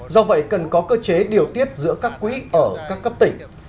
do vậy cần có cơ chế điều tiết giữa các quỹ ở các cấp tỉnh